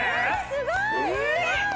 すごい。